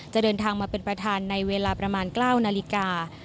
เดินทางมาเป็นประธานในเวลาประมาณ๙นาฬิกา